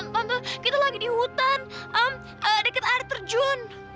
tante kita lagi di hutan deket ada terjun